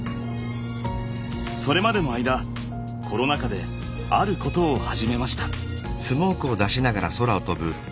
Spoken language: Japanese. それまでの間コロナ禍であることを始めました。